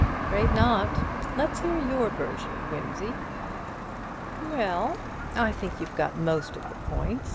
"Afraid not. Let's hear your version, Wimsey." "Well, I think you've got most of the points.